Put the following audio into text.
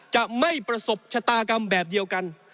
จะไม่ประสบชะตากรรมแบบเดียวกัน